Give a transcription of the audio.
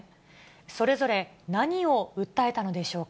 それぞれ、何を訴えたのでしょう